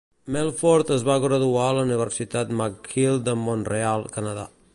Melford es va graduar a la Universitat McGill de Montreal, Canadà.